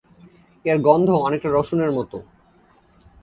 এর গন্ধ অনেকটা রসুনের মত।